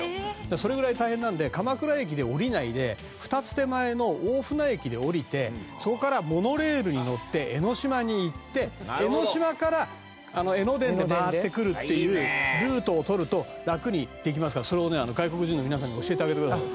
それぐらい大変なんで鎌倉駅で降りないで２つ手前の大船駅で降りてそこからモノレールに乗って江の島に行って江ノ島から江ノ電で回ってくるっていうルートを取ると楽にできますからそれをね、外国人の皆さんに教えてあげてください。